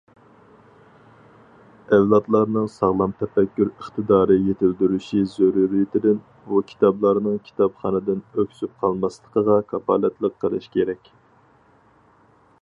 ئەۋلادلارنىڭ ساغلام تەپەككۇر ئىقتىدارى يېتىلدۈرۈشى زۆرۈرىيىتىدىن بۇ كىتابلارنىڭ كىتابخانىدىن ئۆكسۈپ قالماسلىقىغا كاپالەتلىك قىلىش كېرەك.